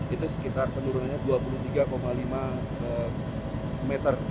itu sekitar penurunannya dua puluh tiga lima meter